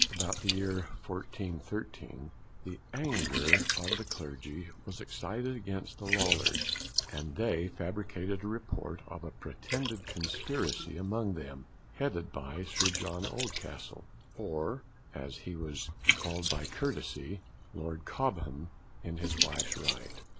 about the year 1413, the anger of the clergy was excited against the Lollards, and they fabricated a report of a pretended conspiracy among them, headed by Sir John Oldcastle, or, as he was called by courtesy, Lord Cobham, in his wife's right.